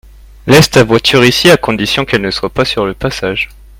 Laisse ta voiture ici à condition qu'elle ne soit pas sur le passage.